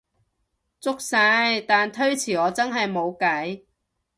足晒，但推遲我真係無計